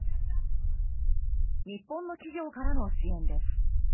日本の企業からの支援です。